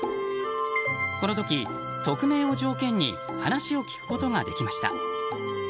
この時、匿名を条件に話を聞くことができました。